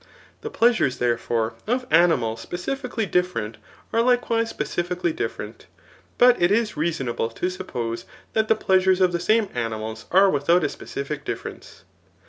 The pleasures, therefore, of animals specifically different, are likewise specifically different, but it is reasonable to sup j>ose that the pleasures of the same animals are widiout a [^specific] difference.